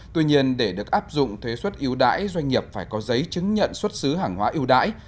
tuy nhiên để được áp dụng thuế xuất yêu đãi doanh nghiệp phải có giấy chứng nhận xuất xứ hàng hóa yêu đãi